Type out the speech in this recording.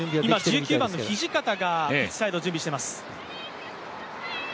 １９番の土方がピッチサイド、準備しています。